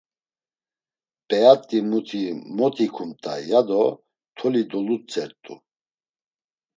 P̌eyat̆i muti mot ikumt̆ay, ya do toli dolutzert̆u.